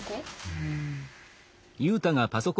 うん。